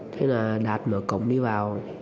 thế là đạt mở cổng đi vào